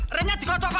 eh remnya dikocok kocok